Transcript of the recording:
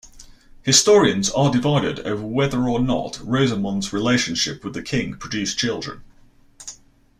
Historians are divided over whether or not Rosamund's relationship with the King produced children.